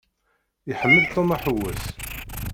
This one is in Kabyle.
Iḥemmel Tom aḥewwes.